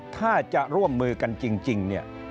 ถ้าจะร่วมมือกันจริง